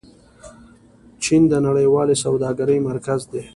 چین د نړیوالې سوداګرۍ مرکز دی.